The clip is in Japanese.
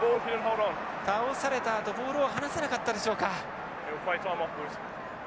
倒されたあとボールを離さなかったでしょうか。